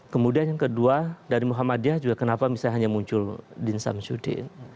kemudian yang kedua dari muhammadiyah juga kenapa misalnya hanya muncul din samsudin